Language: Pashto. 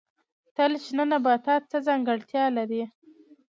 تل شنه نباتات څه ځانګړتیا لري؟